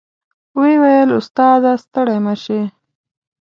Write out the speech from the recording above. وې ویل استاد ه ستړی مه شې.